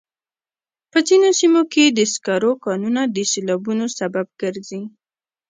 په ځینو سیمو کې د سکرو کانونه د سیلابونو سبب ګرځي.